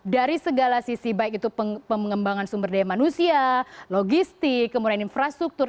dari segala sisi baik itu pengembangan sumber daya manusia logistik kemudian infrastruktur